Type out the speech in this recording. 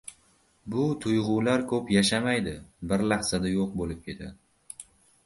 Bu tuyg‘ular ko‘p yashamaydi, bir lahzada yo‘q bo‘lib ketadi.